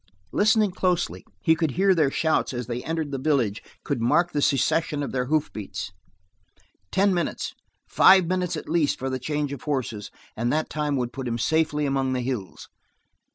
Listening closely, he could hear their shouts as they entered the village, could mark the cessation of their hoof beats. Ten minutes, five minutes at least for the change of horses, and that time would put him safety among the hills.